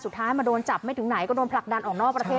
สุดท้ายมาโดนจับไม่ถึงไหนก็โดนผลักดันออกนอกประเทศ